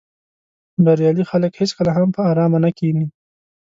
بریالي خلک هېڅکله هم په آرامه نه کیني.